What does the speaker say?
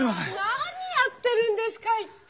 何やってるんですかいったい。